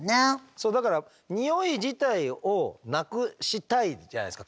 そうだからにおい自体をなくしたいじゃないですか。